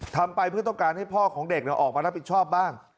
ทำไปเพื่อต้องการให้พ่อของเด็กออกมารับผิดชอบบ้าง